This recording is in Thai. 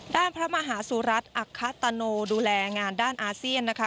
ด้านพระมหาศุรัทธิ์อัคคาตาโนดูแลงานด้านอาเซียนนะคะ